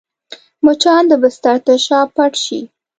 مچان د بستر تر شا پټ شي